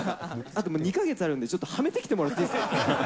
あと２か月あるんで、ちょっとはめてきてもらっていいですか。